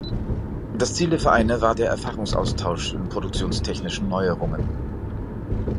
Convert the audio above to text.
Das Ziel der Vereine war der Erfahrungsaustausch in produktionstechnischen Neuerungen.